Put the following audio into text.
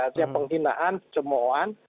tiap penghinaan cemohan